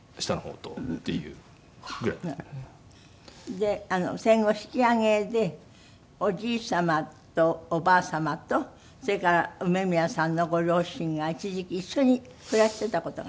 で戦後引き揚げでおじい様とおばあ様とそれから梅宮さんのご両親が一時期一緒に暮らしてた事が。